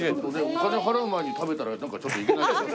お金払う前に食べたら何かちょっといけない。